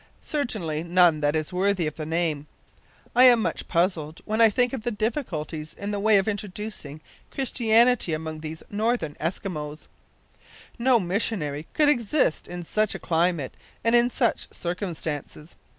Certainly none that is worthy of the name. I am much puzzled when I think of the difficulties in the way of introducing Christianity among these northern Eskimos. No missionary could exist in such a climate and in such circumstances.